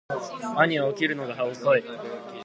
兄は起きるのが遅い